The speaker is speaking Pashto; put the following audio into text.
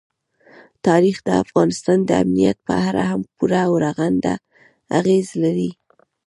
تاریخ د افغانستان د امنیت په اړه هم پوره او رغنده اغېز لري.